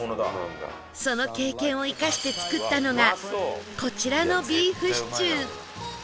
その経験を生かして作ったのがこちらのビーフシチュー